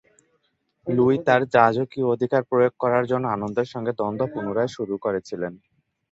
Luis তার রাজকীয় অধিকার প্রয়োগ করার জন্য আনন্দের সঙ্গে দ্বন্দ্ব পুনরায় শুরু করেছিলেন।